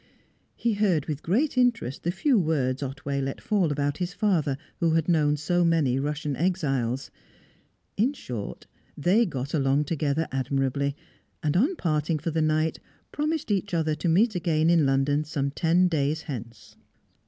He heard with great interest the few words Otway let fall about his father, who had known so many Russian exiles. In short, they got along together admirably, and, on parting for the night, promised each other to meet again in London some ten days hence.